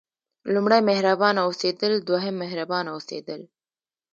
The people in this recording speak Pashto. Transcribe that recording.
لومړی مهربانه اوسېدل دوهم مهربانه اوسېدل.